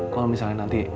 kalau misalnya nanti